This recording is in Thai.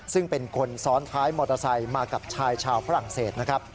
ซึ่งเป็นคนซ้อนท้ายมอเตอร์ไซค์มากับชายชาวฝรั่งเศสนะครับ